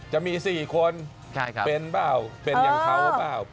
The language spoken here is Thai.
จะมี๔คนเป็นเปล่าเป็นอย่างเขาหรือเปล่า